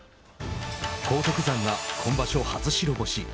荒篤山が今場所初白星。